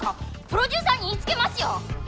プロデューサーに言いつけますよ！？